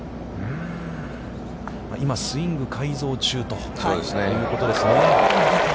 今、スイング改造中ということですね。